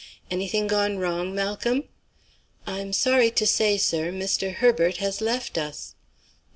"Anything gone wrong, Malcolm?" "I'm sorry to say, sir, Mr. Herbert has left us."